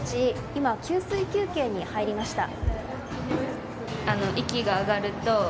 今、給水休憩に入りました。